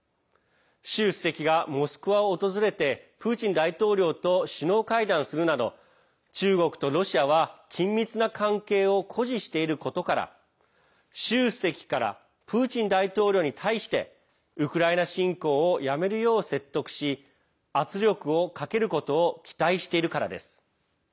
習主席がモスクワを訪れてプーチン大統領と首脳会談するなど中国とロシアは緊密な関係を誇示していることから習主席からプーチン大統領に対してウクライナ侵攻をやめるよう説得し圧力をかけることを期待しているからです。